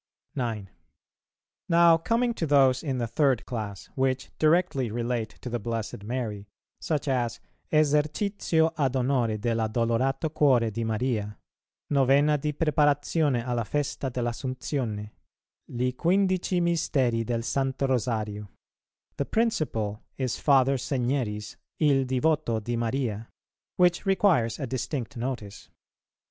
Now coming to those in the third class, which directly relate to the Blessed Mary, such as "Esercizio ad Onore dell' addolorato cuore di Maria," "Novena di Preparazione alla festa dell' Assunzione," "Li Quindici Misteri del Santo Rosario," the principal is Father Segneri's "Il divoto di Maria," which requires a distinct notice.